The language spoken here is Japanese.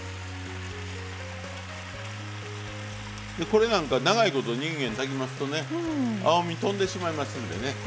これなんか長いこといんげん炊きますとね青みとんでしまいますんでね